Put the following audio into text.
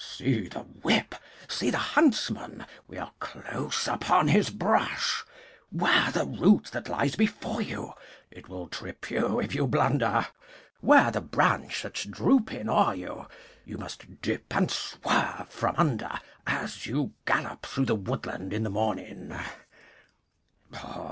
See the whip! See the huntsman! We are close upon his brush. 'Ware the root that lies before you! It will trip you if you blunder. 'Ware the branch that's drooping o'er you! You must dip and swerve from under As you gallop through the woodland in the morning.